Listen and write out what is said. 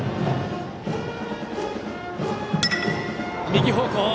右方向！